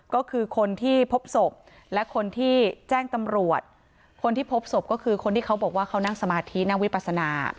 ก็คือคนที่พบศพและคนที่แจ้งตำรวจคนที่พบศพก็คือคนที่เขาบอกว่าเขานั่งสมาธินั่งวิปัสนา